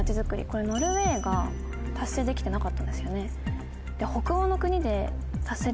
これノルウェーが達成できてなかったんですよね。